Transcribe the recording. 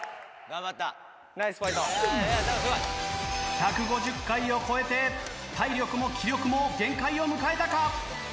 １５０回を超えて体力も気力も限界を迎えたか？